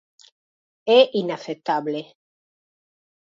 É inaceptable.